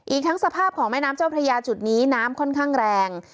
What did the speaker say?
อีกทั้งสภาพของแม่น้ำเจ้าพระยาจุดนี้น้ำค่อนข้างแรง